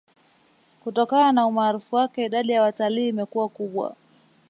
Kutokana na umaarufu wake idadi ya watalii imakuwa kubwa